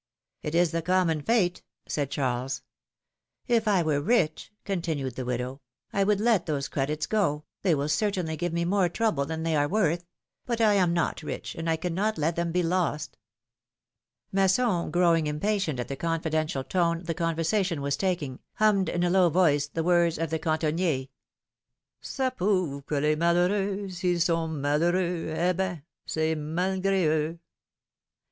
^' It is the common fate,^' said Charles. If I were rich,^^ continued the widow, I would let those credits go, they will certainly give me more trouble than they are worth ; but I am not rich, and I cannot let them be lost/^ Masson, growing impatient at the confidential tone the conversation was taking, hummed in a low voice the words of the " Cantonnier ; fa prouve que les malheureax SHls sont malheureux Eh ben, c'est malgri euz